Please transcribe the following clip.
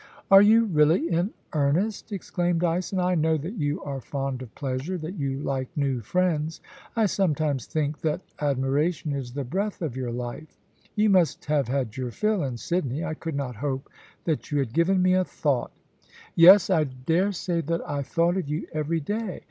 * Are you really in earnest ?* exclaimed Dyson. * I know that you are fond of pleasure — that you like new friends. I sometimes think that admiration is the breath of your life. You must have had your fill in Sydney. I could not hope that you had given me a thought' ' Yes ; I dare say that I thought of you every day.